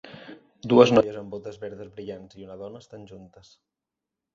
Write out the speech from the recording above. Dues noies amb botes verdes brillants i una dona estan juntes.